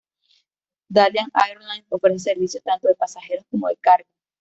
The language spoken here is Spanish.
Dalian Airlines ofrece servicios tanto de pasajeros como de carga.